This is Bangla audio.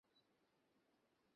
Ambattur chemical factory.